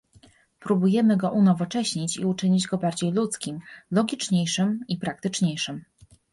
Próbujemy go unowocześnić i uczynić go bardziej ludzkim, logiczniejszym i praktyczniejszym